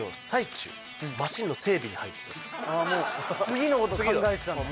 もう次の事考えてたのね。